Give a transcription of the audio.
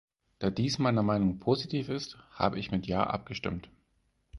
Da dies meiner Meinung positiv ist, habe ich mit ja abgestimmt.